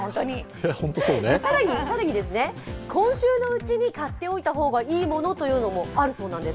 更に今週のうちに買っておいた方がいいものもあるそうなんです。